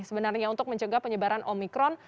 sebenarnya untuk mencegah penyebaran omikron